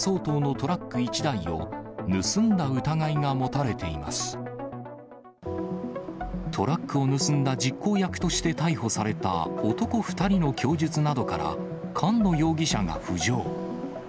トラックを盗んだ実行役として逮捕された男２人の供述などから、菅野容疑者が浮上。